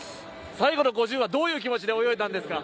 最後の５０はどういう気持ちで泳いだんですか？